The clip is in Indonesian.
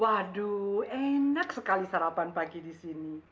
waduh enak sekali sarapan pagi disini